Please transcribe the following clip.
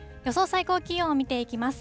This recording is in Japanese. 最高気温を見ていきます。